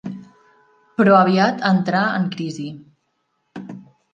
Però aviat entrà en crisi.